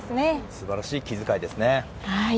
素晴らしい気遣いですね。